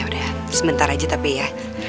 udah sebentar aja tapi ya